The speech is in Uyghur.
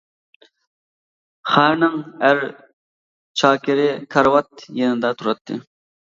خارىنىڭ ئەر چاكىرى كارىۋات يېنىدا تۇراتتى.